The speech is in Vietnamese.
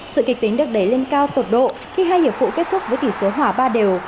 sự kịch tính được đẩy lên cao tột độ khi hai hiệp vụ kết thúc với tỷ số hòa ba đều